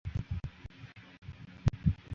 苏克现在是克罗地亚足协主席。